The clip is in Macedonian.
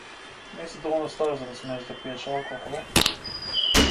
Не си доволно стар за да смееш да пиеш алкохол.